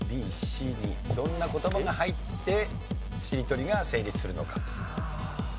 ＡＢＣにどんな言葉が入ってしりとりが成立するのか。